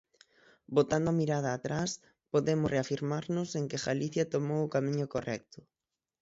Botando a mirada atrás, podemos reafirmarnos en que Galicia tomou o camiño correcto.